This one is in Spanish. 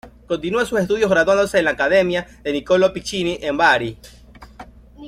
Continúa sus estudios graduándose en la academia de Niccolò Piccinni en Bari.